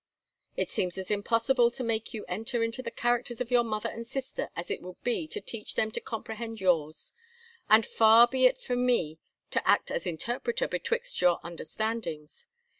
"It seems as impossible to make you enter into the characters of your mother and sister as it would be to teach them to comprehend yours, and far be it from me to act as interpreter betwixt your understandings.